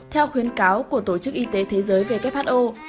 theo khuyến cáo của tổ chức y tế thế giới who